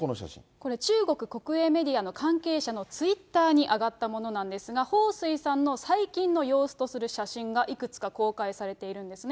これ、中国国営メディアの関係者のツイッターに上がったものなんですが、彭帥さんの最近の様子とする写真が、いくつか公開されているんですね。